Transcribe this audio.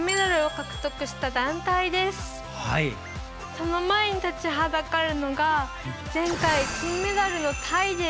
その前に立ちはだかるのが前回金メダルのタイです。